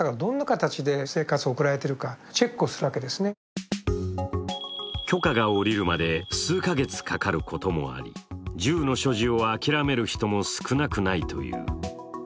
更に許可が下りるまで数か月かかることもあり、銃の所持を諦める人も少なくないという。